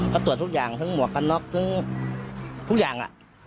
ก็ตรวจทุกอย่างทั้งหมวกกันน็อกทั้งทุกอย่าง